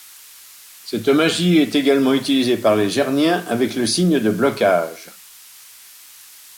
Cette magie est également utilisée par les gerniens, avec le signe de blocage.